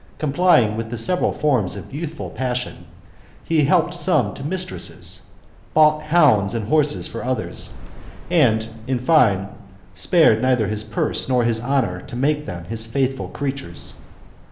Complying with the several forms of youthful passion, he helped some to mistresses, bought hounds and horses for others, and,. in fine, spared neither his purse nor his honour to make them his faithful creatures.